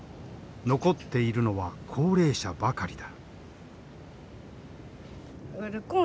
残っているのは高齢者ばかりだ。